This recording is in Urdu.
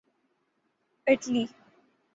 اٹلی